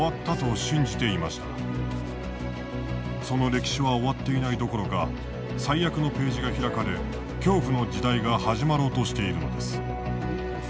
その歴史は終わっていないどころか最悪のページが開かれ恐怖の時代が始まろうとしているのです。